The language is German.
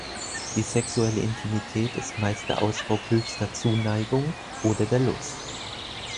Die sexuelle Intimität ist meist der Ausdruck höchster Zuneigung oder der Lust.